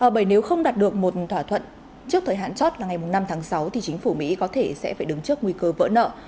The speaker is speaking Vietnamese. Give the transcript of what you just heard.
bởi nếu không đạt được một thỏa thuận trước thời hạn chót là ngày năm tháng sáu thì chính phủ mỹ có thể sẽ phải đứng trước nguy cơ vỡ nợ